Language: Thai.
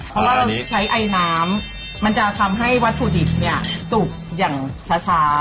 เพราะว่าเราใช้ไอน้ำมันจะทำให้วัตถุดิบเนี่ยสุกอย่างช้า